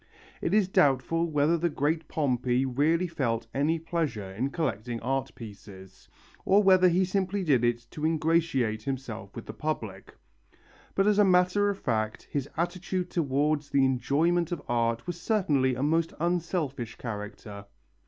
It is doubtful whether the great Pompey really felt any pleasure in collecting art pieces, or whether he simply did it to ingratiate himself with the public. But as a matter of fact his attitude towards the enjoyment of art was certainly of a most unselfish character.